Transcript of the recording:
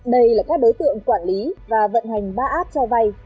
đây là các đối tượng quản lý và vận hành ba app cho vay